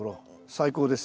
最高です。